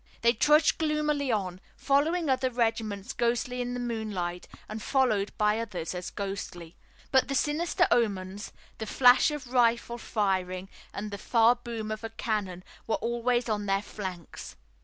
They trudged gloomily on, following other regiments ghostly in the moonlight, and followed by others as ghostly. But the sinister omens, the flash of rifle firing and the far boom of a cannon, were always on their flanks.